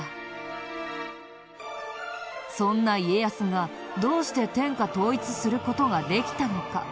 そんな家康がどうして天下統一する事ができたのか？